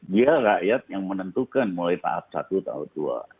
dia rakyat yang menentukan mulai tahap satu tahap dua